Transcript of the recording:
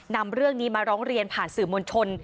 นำเรื่องนี้มาร้องเรียนผ่านสื่อมวลชน